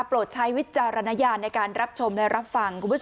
โปรดใช้วิจารณญาณในการรับชมและรับฟัง